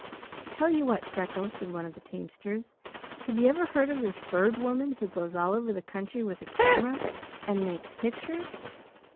"Tell you what, Freckles," said one of the teamsters. "Have you ever heard of this Bird Woman who goes all over the country with a camera and makes pictures?